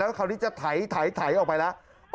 แล้วคราวนี้จะถ่ายถ่ายถ่ายออกไปแล้ว